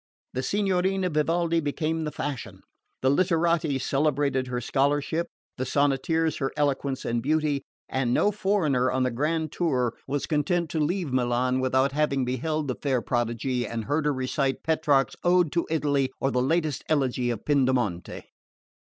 The Signorina Vivaldi became the fashion. The literati celebrated her scholarship, the sonneteers her eloquence and beauty; and no foreigner on the grand tour was content to leave Milan without having beheld the fair prodigy and heard her recite Petrarch's Ode to Italy, or the latest elegy of Pindamonte.